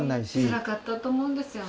つらかったと思うんですよね。